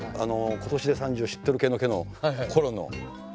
「今年で３０知っとるケのケ」のころの。